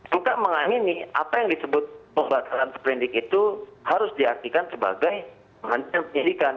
suka mengamini apa yang disebut pembatalan seberindik itu harus diartikan sebagai penyidikan